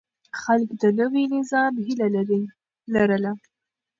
خلک د نوي نظام هيله لرله.